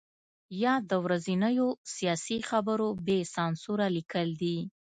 یا د ورځنیو سیاسي خبرو بې سانسوره لیکل دي.